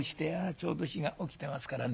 ちょうど火がおきてますからね